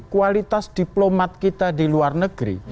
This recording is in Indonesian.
kualitas diplomat kita di luar negeri